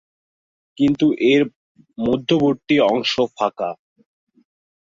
কিন্তু এর মধ্যবর্তী অংশ ফাঁকা।